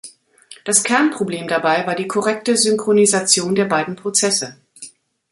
Das Kernproblem dabei war die korrekte Synchronisation der beiden Prozesse.